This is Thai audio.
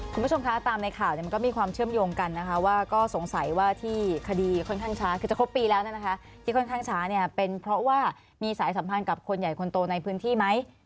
คุณผู้ชมคะตามในข่าวมันก็มีความเชื่อมโยงกันนะคะว่าก็สงสัยว่าที่คดีค่อนข้างช้าคือจะครบปีแล้วนะคะที่ค่อนข้างช้าเนี่ยเป็นเพราะว่ามีสายสัมพันธ์กับคนใหญ่คนโตในพื้นที่ไหม